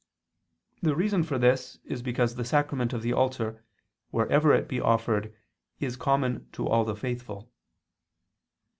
The reason for this is because the sacrament of the altar wherever it be offered is common to all the faithful.